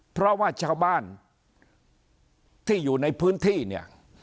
เพราะว่าชาวบ้านที่อยู่ในพื้นที่เนี่ย